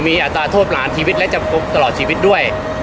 มีอัตราโทษหลายชีวิตและจำกกลปลอบตลอดชีวิตด้วย